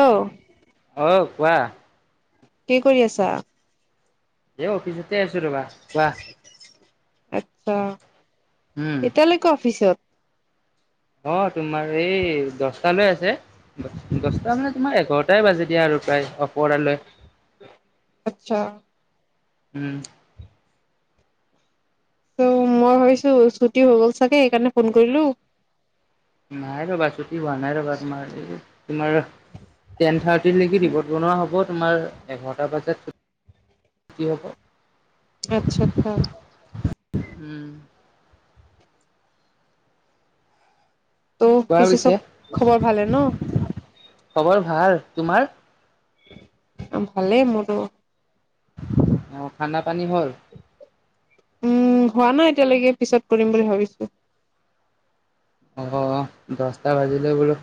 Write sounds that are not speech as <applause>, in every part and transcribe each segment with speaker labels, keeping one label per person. Speaker 1: আহ।
Speaker 2: আহ কোৱা।
Speaker 1: কি কৰি আছা?
Speaker 2: এই অফিচতে আছো ৰবা কোৱা।
Speaker 1: আতছা
Speaker 2: উম
Speaker 1: এতিয়ালৈকে অফিচত ।
Speaker 2: অ তোমাৰ এই দছটা লৈ আছে। দছটা মানে তোমাৰ এঘাৰটাই বাজে দিয়া আৰু প্ৰায় ।
Speaker 1: আত্ছা
Speaker 2: উম
Speaker 1: ত' মই ভাবিছো ছুটি হৈ গ'ল চাগে সেইকাৰণে ফোন কৰিলো ।
Speaker 2: নাই ৰবা ছুটি হোৱা নাই ৰবা তোমাৰ তোমাৰ টেন থাৰ্টি । নেকি ৰিপৰ্ট বনোৱা হ'ব তোমাৰ এঘাৰটা বজাত চুটি হ'ব।
Speaker 1: আচ্ছা আচ্ছা।
Speaker 2: উম
Speaker 1: ত' পিছে চব খবৰ ভালে ন?
Speaker 2: খবৰ ভাল। তোমাৰ?
Speaker 1: ভালেই মোৰ ।
Speaker 2: অ খানা পানী হ'ল।
Speaker 1: উম হোৱা নাই এতিয়ালৈকে পিছত কৰিম বুলি ভাবিছো।
Speaker 2: অ দহটা বাজিলে বোলো।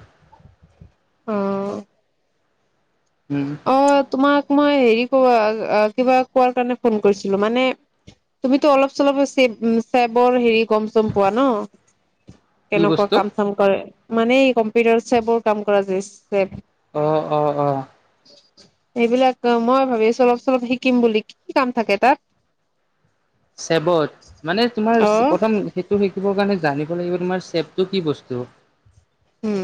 Speaker 1: অ।
Speaker 2: উম
Speaker 1: অ তোমাক মই হেৰি কব কিবা কোৱাৰ কাৰণে ফোন কৰিছিলো মানে । তুমিতো অলপ চলপ চ চেবৰ হেৰি কম চম পোৱা ন ।
Speaker 2: কি
Speaker 1: কেনেকুৱা
Speaker 2: বস্তু
Speaker 1: কাম চাম কৰে মানে কম্পিউটাৰ চেবৰ কাম কৰা যে
Speaker 2: অ অ অ
Speaker 1: এইবিলাক মই ভাবিছো অলপ চলপ শিকিম বুলি কি কাম থাকে তাত
Speaker 2: চেৱত মানে তোমাৰ
Speaker 1: অ
Speaker 2: প্ৰথম সেইটো শিকিবৰ কাৰণে জানিব জানিব লাগিব তোমাৰ চেপটো কি বস্তু
Speaker 1: উম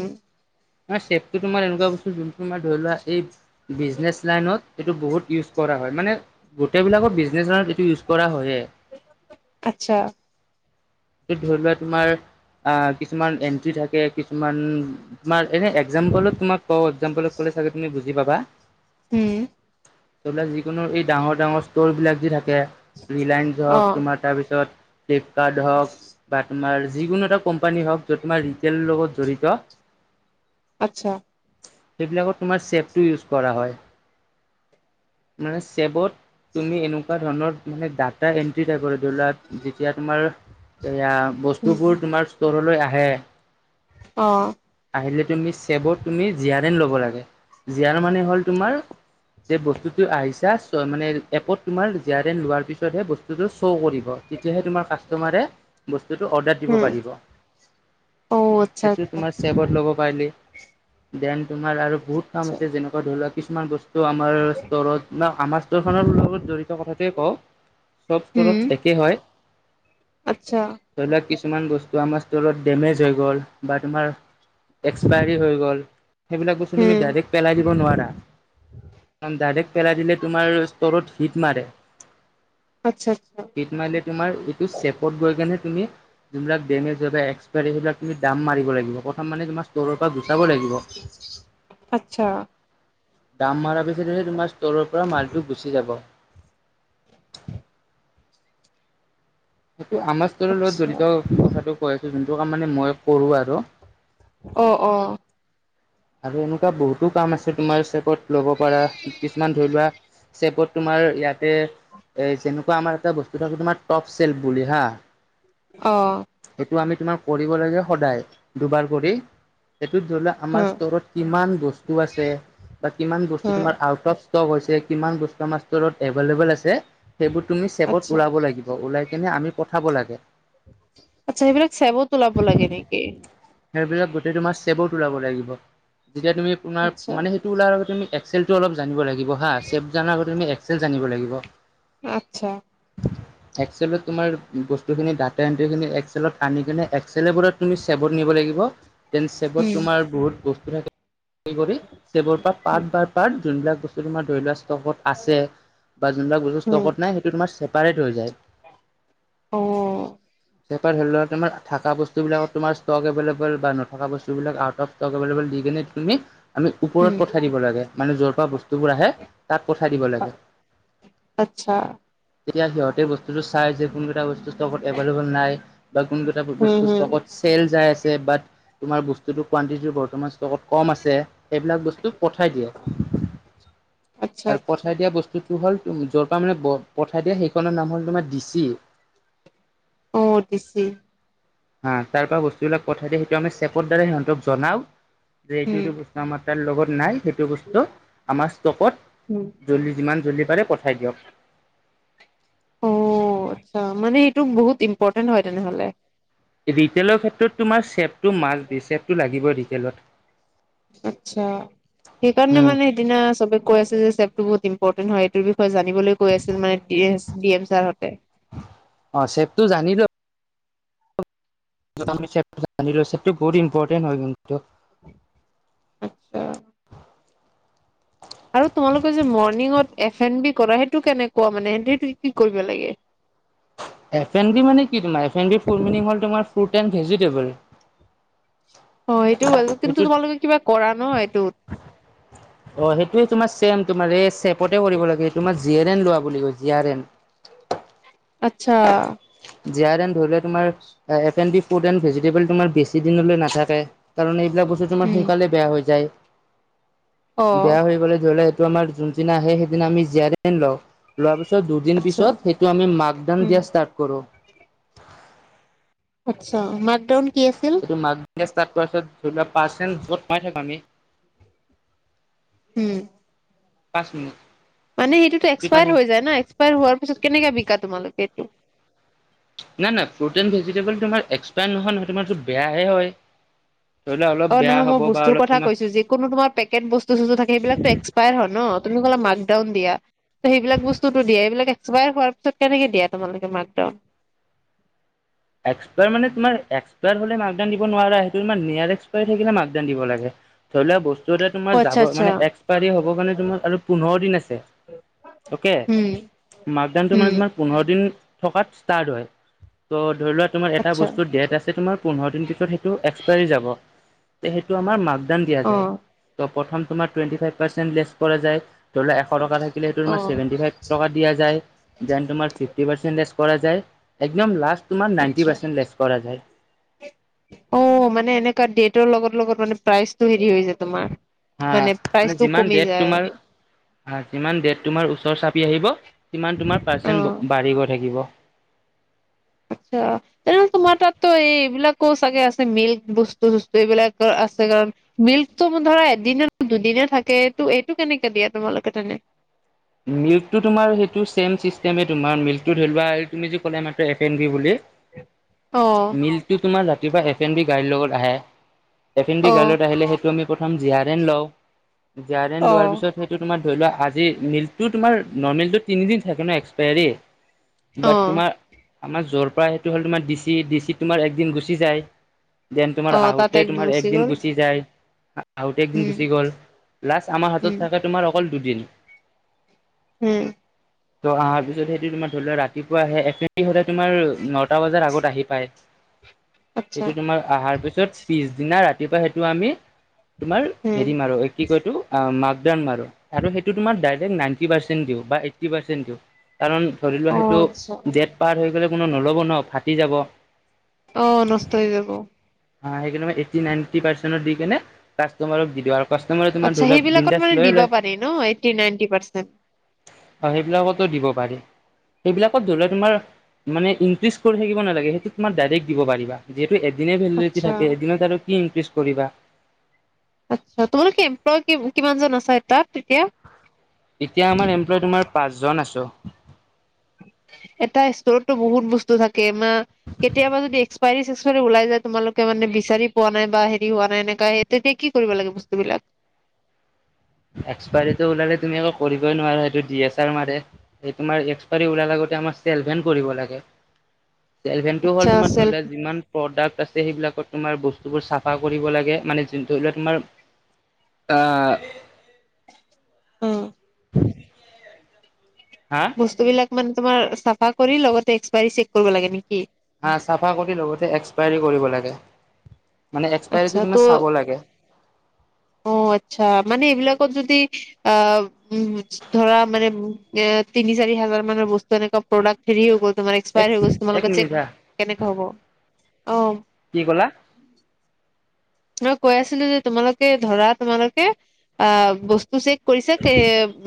Speaker 2: চেপতো তোমাৰ এনেকোৱা বস্তু যোনটো তোমাৰ ধৰি লোৱা এই বিচনেচ লাইনত এইটো বহুত ইউছ ফুল কৰা হয় মানে গোটেই বিলাকৰ বিজনেছ এইটো ইউজ কৰা হয়ে ।
Speaker 1: আচ্ছা ।
Speaker 2: টো ধৰি লোৱা তোমাৰ । অ কিছুমান এন্ট্ৰি থাকে কিছুমান তোমাৰ এনে একজাম্পলত তোমাক। অ একজাম্পলত কলে চাগে তুমি বুজি পাবা ।
Speaker 1: উম।
Speaker 2: ত যিকোনো এই ডাঙৰ ডাঙৰ ষ্ট'ৰ বিলাক যি থাকে ৰিলায়েন্স
Speaker 1: অ
Speaker 2: হওক তোমাৰ তাৰপিছত । ফিলিপকাৰ্ড হওক বা তোমাৰ যিকোনো এটা কোম্পানী হওঁক যত তোমাৰ ৰিটেল লগত জড়িত ।
Speaker 1: আচ্ছা ।
Speaker 2: সেইবিলাকত তোমাৰ চেভটো ইউজ কৰা হয়
Speaker 1: <unintelligible>
Speaker 2: মানে চেভত তুমি এনেকুৱা ধৰণৰ মানে ডাটা এন্ট্ৰি টাইপৰ ধৰি লোৱা যেতিয়া তোমাৰ এয়া
Speaker 1: উম
Speaker 2: বস্তুবোৰ তোমাৰ ষ্টৰলৈ আহে ।
Speaker 1: অহ
Speaker 2: আহিলে তুমি চেভত তুমি জীয়াৰেন ল'ব লাগে জীয়াৰ মানে হ'ল তোমাৰ । যে বস্তুটো আহিছা মানে এপত তোমাৰ জীয়াৰেন লোৱাৰ পিছতহে বস্তুটো শ' কৰিব । ত তেতিয়াহে কাচটেমাৰে বস্তু বস্তুটো অৰ্ডাৰ দিব
Speaker 1: উম
Speaker 2: পাৰিব
Speaker 1: অ আচ্ছা
Speaker 2: সেইটোৱে তোমাৰ
Speaker 1: আচ্ছা
Speaker 2: চেভত লব । পালি ব্যয়াম তোমাৰ আৰু বহুত কাম
Speaker 1: আচ্ছা
Speaker 2: আছে যেনেকুৱা ধৰি লোৱা কিছুমান বস্তু ত' আমাৰ ষ্টৰত ন আমাৰ ষ্টৰ খনৰ লগত জৰি ত কথাটোৱে কওঁ চব
Speaker 1: উম
Speaker 2: ষ্টৰত একেই হয়
Speaker 1: আচ্ছা
Speaker 2: ধৰি লোৱা কিছুমান বস্তু আমাৰ ষ্টৰত ডেমেজ হৈ গল বা তোমাৰ এক্সপাইৰী হৈ গ'ল সেইবিলাক বস্তু তুমি
Speaker 1: উম
Speaker 2: ডাইৰেক্ট পেলাই দিব নোৱাৰা ডাইৰেক্ট পেলাই দিলে তোমাৰ ষ্টৰত হিট মাৰে
Speaker 1: আচ্ছা আচ্ছা
Speaker 2: হিট মাৰিলে তোমাৰ এইটো চেভ গৈ কেনি তুমি যোনবিলাক ডেমেজ হয় বা এক্সপাইৰী হয় সেইবিলাক তুমি দাম মাৰিব লাগিব প্ৰথম মানে তোমাৰ ষ্টৰৰ পৰা গুচাব লাগিব
Speaker 1: আচ্ছা
Speaker 2: দাম মৰা পিছত তোমাৰ ষ্ট'ৰৰ পৰা মালটো গুচি যাব সেইটো আমাৰ ষ্টৰৰ লগত
Speaker 1: আচ্ছা
Speaker 2: জড়িত কথাটো কৈ আছো যোনটো কাম মানে মই কৰো আৰু
Speaker 1: অ অ
Speaker 2: আৰু এনেকুৱা বহুতো কাম আছে তোমাৰ চেপত ল'ব পাৰা কিছুমান ধৰি লোৱা চেপত তোমাৰ ইয়াতে এ যেনেকুৱা আমাৰ এটা বস্তু থাকো তোমাৰ টপ চেল বুলি হা
Speaker 1: অ
Speaker 2: ত আমি তোমাৰ কৰিব লাগে সদায় দুবাৰ কৰি সেইটোত ধৰি লোৱা
Speaker 1: হা
Speaker 2: আমাৰ ষ্টৰত কিমান বস্তু আছে বা কিমান
Speaker 1: হা
Speaker 2: বস্তু তোমাৰ আউট অফ ইষ্টক হৈছে কিমান বস্তু আমাৰ ষ্টৰত এভেলেবোল আছে সেইবোৰ তুমি
Speaker 1: আচ্ছা
Speaker 2: চেভত ওলাব লাগিব ওলাই কেনে আমি পঠাব লাগে
Speaker 1: আচ্ছা সেইবিলাক চেবত ওলাব লাগে নেকি
Speaker 2: সেইবিলাক গোটেই তোমাৰ চেভত ওলাব লাগিব যেতিয়া তুমি আপোনাৰ
Speaker 1: আচ্ছা
Speaker 2: মানে সেইটো ওলাৰ আগতে তুমি একচেলটো অলপ জানিব লাগিব হা চেভ জনা আগতে তুমি একচেল জানিব লাগিব
Speaker 1: আচ্ছা
Speaker 2: একচেলত তোমাৰ বস্তুখিনি দাতা এন্টিখিনি একচেলত আনি কেনি একচেল বোৰত তুমি চেভ নিব লাগিব দেন চেভত
Speaker 1: উম
Speaker 2: তোমাৰ বহুত বস্তু থাকে কৰি চেবৰ পৰা পাট বাৰ পাট যোনবিলাক বস্তু তোমাৰ ধৰি লোৱা ষ্টকত আছে বা যোনবিলাক
Speaker 1: উম
Speaker 2: ষ্টকত নাই সেইটো তোমাৰ চে পাৰেত হৈ যায়
Speaker 1: অ
Speaker 2: চেপাৰেত ধৰি লোৱা তোমাৰ থাকা বস্তুবিলাকত তোমাৰ ষ্টক এভেলেবোল বা নথকা বস্তুবিলাক আউট অৱ ষ্টক এভল দি কিনে তুমি আমি ওপৰত
Speaker 1: উম
Speaker 2: পঠাই দিব লাগে মানে য'ৰ পৰা বস্তুবোৰ আহে তাত পঠাই দিব লাগে
Speaker 1: আচ্ছা
Speaker 2: তেতিয়া সিহঁতে বস্তুটো চাই যে কোন কেইটা বস্তু ষ্টকত এভেইলেবল নাই বা কোন কেইটা
Speaker 1: হম
Speaker 2: বস্তু
Speaker 1: হম
Speaker 2: ষ্টকত চেল যাই আছে বাত তোমাৰ বস্তুটো কোৱানটিতিটো বৰ্তমান ষ্টকত কম আছে এইবিলাক বস্তু পঠাই দিয়ে
Speaker 1: আচ্ছা
Speaker 2: আৰু
Speaker 1: আচ্ছা
Speaker 2: পঠাই দিয়া বস্তু টো হ'ল যৰ পৰা মানে পঠাই দিয়ে সেইখনৰ নাম হ'ল তোমাৰ দিচি
Speaker 1: অ দিছি
Speaker 2: হা তাৰ পৰা বস্তুবিলাক পঠাই দিয়ে সেইটো আমি চেপৰ দ্বাৰাই সিহঁতক জনাও যে এইটো
Speaker 1: উম
Speaker 2: এইটো আমাৰ তাৰ লগত নাই সেইটো বস্তু আমাৰ
Speaker 1: উম।
Speaker 2: ষ্টকত জলদি যিমান জল্দি পাৰে পঠাই দিয়ক
Speaker 1: অ আচ্ছা মানে সেইটো বহুত ইম্পৰ্টেণ্ট হয় তেনেহলে
Speaker 2: ৰিটেইলৰ ক্ষেত্ৰত তোমাৰ চেভটো মাষ্ট বি চেভটো লাগিবই ডিটেইলত
Speaker 1: আত্ছা সেইকাৰণে
Speaker 2: উম
Speaker 1: মানে সেইদিনা চবে কৈ আছে যে চেভতো বহুত ইম্পৰ্টেণ্ট হয় এইটোৰ বিষয়ে জানিবলৈ কৈ আছিল মানে ডি এচ ডি এম ছাৰহঁতে
Speaker 2: অ চেভটো জানি ল চেভটো বহুত ইম্পৰ্টেণ্ট হয় কিন্তু
Speaker 1: আচ্ছা আৰু তোমালোকৰ যে মৰ্ণিঙত এফ এন বি কৰে সেইটো কেনেকোৱা মানে কি কৰিব লাগে <inaudible>
Speaker 2: এফ এন বি মানে কি তোমাৰ F N B full meaning হল তোমাৰ ফ্ৰোট এণ্ড ভেজিটেবল
Speaker 1: অ সেইটো হয় কিন্তু
Speaker 2: এইটোত
Speaker 1: তোমালোকে কিবা কৰা ন এইটোত
Speaker 2: অ সেইটোৱে তোমাৰ ছেম তোমাৰ এই চেপতে কৰিব লাগে তোমাৰ জি এন লোৱা বুলি ক জি আৰ এন <unintelligible>
Speaker 1: আচ্ছা
Speaker 2: জী‌ আৰ এন ধৰি লোৱা তোমাৰ এপেনডি <unintelligible> ফুড এনড ভেজিটেবল তোমাৰ বেছি দিনলৈ নাথাকে কাৰণ এইবিলাক বস্তু তোমাৰ
Speaker 1: উম
Speaker 2: সোনকালে বেয়া হৈ যায় <unintelligible>
Speaker 1: অ
Speaker 2: বেয়া হৈ গলে ধৰি লোৱা এইটো আমাৰ যোনদিনা আহে সেইদিনা আমি জী আৰ এন লও <unintelligible> লোৱাৰ পিছত দুদিন
Speaker 1: আচ্ছা
Speaker 2: পিছত সেইটো আমি মাৰ্ক ডাউন
Speaker 1: উম
Speaker 2: দিয়া ষ্টাৰ্ট কৰো
Speaker 1: আচ্ছা মাকডাউন কি আছিল
Speaker 2: এইটো মাকডাউন ষ্টাৰ্ট কৰছত ধা মাৰ্চেণ্ট যত সমাই থাকো আমি
Speaker 1: উম
Speaker 2: পাঁচ মিনিট
Speaker 1: মানে সেইটোতো এক্সপায়াৰ
Speaker 2: নাই
Speaker 1: হৈ যায় ন এক্সপায়াৰ হোৱাৰ পিছত কেনেকে বিকা তোমালোকে এইটো <unintelligible>
Speaker 2: নাই নাই ফ্ৰুট এণ্ড ভেজিটেবল তোমাৰ এক্সপায়াৰ নহয় নহয় তোমাৰতো বেয়াহে হয় <unintelligible>
Speaker 1: অ
Speaker 2: বেয়া
Speaker 1: নহয়
Speaker 2: হ'ব
Speaker 1: মই
Speaker 2: বা
Speaker 1: বস্তুৰ
Speaker 2: অলপ
Speaker 1: কথা
Speaker 2: তোমাৰ
Speaker 1: কৈছো যিকোনো তোমাৰ পেকেট বস্তু চস্তু থাকে সেইবিলো এক্সপায়াৰ হয় ন <unintelligible> তুমি কলে মাকডাউন দিয়া ত সেইবিলাক বস্তুতো দিয়া এইবিলাক এক্সপায়াৰ হোৱাৰ পিছত কেনেকে দিয়া তোমালোকে মাকডাউন উ
Speaker 2: এক্সপায়াৰ মানে তাৰ এক্সপায়াৰ হলে মাকডাউন দিব নোৱাৰা সেইটো তোমাৰ নিয়াৰ এক্সপায়ৰ থাকিলে মাকডাউন দিব লাগে ধৰি লোৱা বস্তু এটা
Speaker 1: অ
Speaker 2: তোমাৰ
Speaker 1: আচ্ছা
Speaker 2: যাব মানে
Speaker 1: আচ্ছা
Speaker 2: এক্সপায়াৰী হব কাৰণে তোমাৰ আৰু পোন্ধৰ দিন আছে অকে
Speaker 1: উম
Speaker 2: মাক ডাউনটো মানে
Speaker 1: উম
Speaker 2: তোমাৰ পোন্ধৰ দিন থকাত ষ্টাৰ্ট হয় ত' ধৰি লোৱা তোমাৰ এটা
Speaker 1: আচ্ছা
Speaker 2: বস্তু ডেট আছে তোমাৰ পোন্ধৰ দিন পিছত সেইটো এক্সপাইৰী যাব <unintelligible> সেইটোম আমাৰ মাকডাউন দিয়া
Speaker 1: অ
Speaker 2: যায় প্ৰথম তোমাৰ টুৱেন্টি ফাইভ মাৰ্চেণ্ট লেছ কৰা যাই । ধৰি লক এশ টকা থাকিলেেইটো
Speaker 1: অ
Speaker 2: তাৰেভেটি ফাইভ টকা দিয়া যায় দেন তোমাৰিফটি পাৰ্চেণ্টেজ । কৰা যায় একদম লাষ্ট তোমাৰ নাইনটি
Speaker 1: আচ্ছা
Speaker 2: পাৰ্চেট লেচ কৰা যায় ।
Speaker 1: অ মানে এনেুৱা ডেটৰ লগত লগত মানে প্ৰাইজটো হেৰি হৈ যায় তোমাৰ ।
Speaker 2: হা
Speaker 1: মানে প্ৰাইচটো
Speaker 2: যিমান
Speaker 1: কমি
Speaker 2: ডেট
Speaker 1: যায় ।
Speaker 2: তোমাৰ যিমান ড তমাৰ ওচ চাপি আহিব সিমান তমাৰ
Speaker 1: অ
Speaker 2: পাৰ্চ বাঢ়িৈ থাকিব ।
Speaker 1: আচ্ছা তেনেহ'লে তোমাৰ তাতো এই এইবিলাকো চাগে আছে মিল্ক বস্তু চস্তু এইবিলাক <unintelligible> আছে কাৰণ মিল্কটো ধৰা এদিনে দুদিনে থাকেটো এইটো কেনেকে দিয়া তোমালোকে তেনে <unintelligible>
Speaker 2: মিল্কটো তোমাৰ সেইটো ছেম চিষ্টেমে তোমাৰ মিল্কটো ধৰিলোৱাা তুমি য কলা আমাৰ এফ এন বি বুলি
Speaker 1: অ
Speaker 2: <unintelligible> মিলটো তোমাৰ জাতিৰ পৰা এফ এন বি গাড়ীৰ লগত আহে এফ এন বি
Speaker 1: অ
Speaker 2: গালত আহিলে সেইটো আমি প্ৰথম জিয়াৰ এন লও জিয়াৰ এন লোৱাৰ পিছত সেইটো তোমাৰ <unintelligible> ধৰি লোৱা আজি মিলটো তোমাৰ তিনি দিন থাকে ন এক্সপায়াৰী বা
Speaker 1: অ
Speaker 2: তোমাৰ আমাৰ যৰ পৰা সেইটো হ'ল তোমাৰ ডিচি ডিচি তোমাৰ একদিন গুচি যায় দেন তোমাৰ
Speaker 1: অ তাত
Speaker 2: আহোঁতে তোমাৰ একদিন
Speaker 1: গ'ল
Speaker 2: গুচি যায় আহোতে একদিন
Speaker 1: উম
Speaker 2: গুচি গ'ল লাষ্ট আমাৰ হাতত
Speaker 1: উম
Speaker 2: থাকে তোমাৰ অকল দুদিন
Speaker 1: উম
Speaker 2: ত' অহাৰ পিছত সেইটো তোমাৰ ধৰি লোৱা ৰাতিপুৱা আহে এফ হলে তোমাৰ ন <unintelligible> তাৰ বজাৰ আগত আহি পায়
Speaker 1: আচ্ছা
Speaker 2: সেইটো তোমাৰ অহাৰ পিছত পিছদিনা ৰাতিপুৱা সেইটো আমি তোমাৰ
Speaker 1: উম
Speaker 2: হেৰি মাৰো কি কয়তো মাকডান মাৰো আৰু সেইটো তোমাৰ দেন নাইনটি পাৰ্চেন দিও বা এইটি পাৰ্ছেন দিউ, কাৰণ ধৰি লোৱা
Speaker 1: অ
Speaker 2: সেইটো
Speaker 1: আচ্ছা
Speaker 2: দেত পাৰ হৈ গলে কোনো নল'ব ন ফাটি যাব
Speaker 1: অঁ নষ্ট হৈ যাব
Speaker 2: সেই মই এইটি নাইনটি পাৰ্চেন্ট দি কেনে কাষ্টমাৰক দি দিওঁ আৰু কাষ্টমাৰে তোমাৰ
Speaker 1: আচ্ছা
Speaker 2: ধৰি লোৱা
Speaker 1: সেইবিলাকত
Speaker 2: বিন্দাছ
Speaker 1: মানে
Speaker 2: লৈয়ে
Speaker 1: দিবা
Speaker 2: লয়
Speaker 1: পাৰি ন এইটটি নাইনটি পাৰ্চেন্ট
Speaker 2: অ সেইবিলাকতো দিব পাৰি সেইবিলাকত ধৰি তোমাৰ মানে ইনক্ৰিজ কৰি থাকিব নালাগে সেইটো তোমাৰ ডাইৰেক্ট দিব পাৰিবা যি এদিনে ভেলিডিটি
Speaker 1: আচ্ছা
Speaker 2: থাকে এদিনত আৰু কি ইনক্ৰিজ কৰিবা ।
Speaker 1: আচ্ছা তোমাল কি এমপ্লয় কিমান জন আচা তাত এতিয়া।
Speaker 2: এতিয়া আমাৰ এমপ্লয় তোমাৰ পাঁচ জন আছো।
Speaker 1: <unintelligible> এটা ষ্ট'ৰতটো বহুত বস্তু থাকে মা কেতিয়াবা যদি এক্সপাইৰী চে্সপাই ওলাই যায় তোমালোকে মানে । বিচাৰি পোৱা নাই বা হেৰি হোৱা নাই এনেকা তেতিয়া কি কৰিব লাগে বস্তুবিলাক ।
Speaker 2: এক্সপাইৰীটো ওলালে তুমি এককৌ কৰিবই নোৱাৰা সেইটো ডি এছ আৰ মাৰে স তোমাৰ এক্সপাইৰী ওলালে । আমাৰ চেলভেন কৰিব লাগে ।
Speaker 1: <inaudible>
Speaker 2: চেলভেণ্টো হটো হল
Speaker 1: আচ্ছা
Speaker 2: তোমাৰ ধৰি
Speaker 1: চেল্ফ
Speaker 2: লোৱা যিমান প্ৰডাক্ট । আছে সেইবিলাকত তোমাৰ বস্তুবোৰ চাফা কৰিব লাগে মানে যোন ধৰি লোৱা তোমাৰ অ
Speaker 1: উম
Speaker 2: হা
Speaker 1: বস্তু বিলাক মানে তোমাৰ চাফা কৰি লগতে এক্সপাইৰী চেক কৰিব লাগে নেকি?
Speaker 2: হা চাফা কৰি লগতে এক্সপাইৰী কৰিব লাগে । মানে
Speaker 1: আচ্ছা
Speaker 2: এক্সপায়ৰীটো
Speaker 1: ত'
Speaker 2: তোমাৰ চাব লাগে ।
Speaker 1: অ আচ্ছা মানে এইবিলাকত যদি আহ উ ধৰা মানে এ । তিনি চাৰি হাজাৰ মানৰ বস্তু এনেকুৱা । প্ৰডাক্ট হেৰি হৈ গ'ল তোমাৰ এক্সপাই
Speaker 2: এক
Speaker 1: হৈ গ
Speaker 2: এক
Speaker 1: তোমালোকে
Speaker 2: মিনিট
Speaker 1: চেক
Speaker 2: হা
Speaker 1: কেনেকে হ'ব অ ।
Speaker 2: কি কলা
Speaker 1: মই কৈ আছিলো যে তোমালোকে ধৰা তোমালোকে অ বস্তু চেক । কৰিছে কে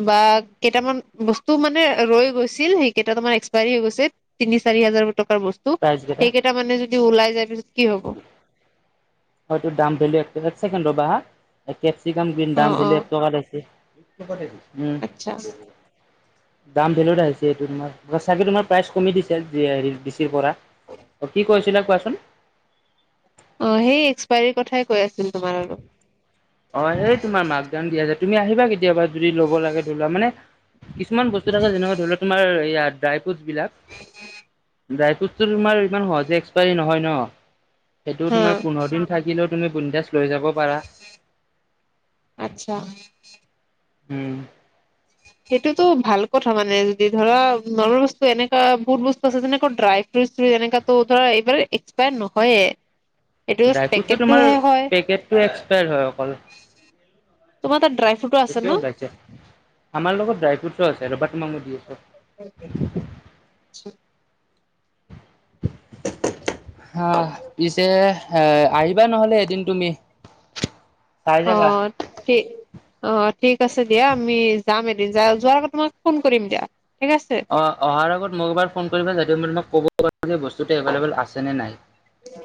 Speaker 1: বা কেইটামান বস্তু মানে ৰৈ গৈছিল সেই কেইতা তোমাৰ এক্সপায়াৰী হৈ গৈছে তিনি চাৰি হাজাৰ । টকাৰ বস্তু
Speaker 2: প্ৰাইজ কেইটা
Speaker 1: সেইকেইটা মানে যদি ওলাই যায় পিছত কি হ'ব ।
Speaker 2: হয়তো দাম ভেল এক টকা ছেকেড ৰবা হা কেচিকাম গণ
Speaker 1: অ
Speaker 2: দাম ভেল
Speaker 1: অ
Speaker 2: এক টকা। <unintelligible>
Speaker 1: আচ্ছা।
Speaker 2: দাম ভেলো আহিছে এইটো তোমাৰ হচাকে তোমাৰ প্ৰাইচ কমি দিছে যিআৰ ডিচিৰ পৰা। অ কি কৈছিলা কোৱাচোন।
Speaker 1: অ সেই এক্সপায়ৰি কথাই কৈ আছিল তোমাৰ আগত।
Speaker 2: অ এই তোমাৰ মাক দাম দিয়া যে তুমি আহিবা কেতিয়াবা যদি ল'ব লাগে ধৰিলোৱা মানে। কিছুমান বস্তু থকা যেনেবা ধৰি লোৱা তোমাৰ হেয়াত ড্ৰাইব। ফোটবিলাক ড্ৰাই ফ্ৰুটতো তোমাৰ ইমান সহজে এক্সপায়ী নহয় ন । সেইটো
Speaker 1: হা
Speaker 2: তোমাৰ পোন্ধৰ দিন থাকিলেও তুমি বিনদাচ । লৈ যাব পাৰা।
Speaker 1: আচ্ছা
Speaker 2: উম।
Speaker 1: সেইটোতটো ভাল কথা মানে যি ধৰা নৰ্ম বস্তু এনেকা বহুত বস্তু আছে যেনেকৈ ড্ৰাই ফ্ৰেচ । তেনেকাতো ধৰা এইবাৰ এক্সপাইত নহয়ে। এইটো
Speaker 2: ড্ৰাই ফ্ৰুটতো তোমাৰ
Speaker 1: পেকেটটোহে হয়
Speaker 2: পেকেটটো এক্সপায়ৰ হয় অকল।
Speaker 1: তোমাৰ তাত ড্ৰাইফ।
Speaker 2: এতিয়াও ওলাইছে আমাৰ লগত ড্ৰাই ফ্ৰুটতো আছে ৰবা তোমাক ম ই দি আছোঁ।
Speaker 1: হে হে চোত।
Speaker 2: হাহ পিছে। হা আহিবা নহ'লে এদিন তুমি। চাই
Speaker 1: অ
Speaker 2: যাবা।
Speaker 1: টি অ ঠিক আছে দিয়া আমি যাম এতি । ৰিজাল যোৱাৰ আগত তোমাক ফোন কৰিম দিয়া। ঠিক আছে
Speaker 2: অ অহাৰ আগত মোক এবাৰ ফোন কৰিবা যে তুমি মানে মোক ক'ব পৰা বস্তুটো এভেল-ওবোল আছেনে নাই।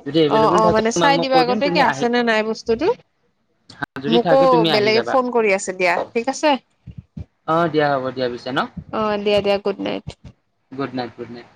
Speaker 2: যদি
Speaker 1: অ
Speaker 2: এভেইলেবল
Speaker 1: অ
Speaker 2: থাকে
Speaker 1: মানে
Speaker 2: তোমাক
Speaker 1: চাই
Speaker 2: মই
Speaker 1: দিবা
Speaker 2: কৈ দিম
Speaker 1: আগতে কি
Speaker 2: তুমি আহি
Speaker 1: আছে নে নাই বস্তুতটো।
Speaker 2: যদি
Speaker 1: মোকো
Speaker 2: থাকে তুমি আহি
Speaker 1: বেলেগে
Speaker 2: যাবা।
Speaker 1: ফোন কৰি আছে দিয়া ঠিক আছে।
Speaker 2: অ দিয়া হ'ব দিয়া পিছে ন
Speaker 1: অ দিয়া দিয়া good night.
Speaker 2: Good night good night.